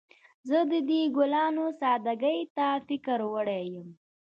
زه د دې ګلانو سادګۍ ته فکر وړی یم